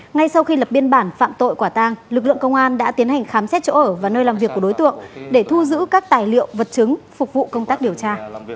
ngay sau khi lập biên bản phạm tội quả tang lực lượng công an đã tiến hành khám xét chỗ ở và nơi làm việc của đối tượng để thu giữ các tài liệu vật chứng phục vụ công tác điều tra